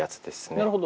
なるほど。